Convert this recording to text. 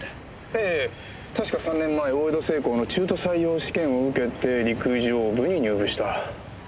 ええ確か３年前大江戸製鋼の中途採用試験を受けて陸上部に入部した。